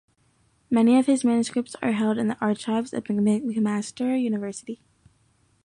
Many of his manuscripts are held in the archives of McMaster University.